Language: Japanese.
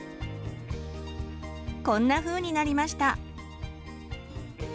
こんなふうになりました。